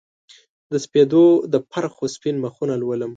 د سپیدو د پرخو سپین مخونه لولم